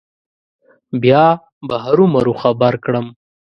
بیا به هرو مرو خبر کړم.